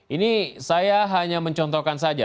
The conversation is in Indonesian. ini saya hanya mencontohkan saja